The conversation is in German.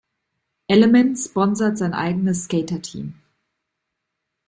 Element sponsert ein eigenes Skater-Team.